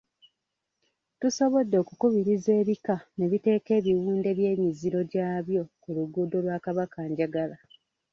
Tusobodde okukubiriza ebika ne biteeka ebiwunde by’emiziro gyabyo ku luguudo lwa Kabakanjagala.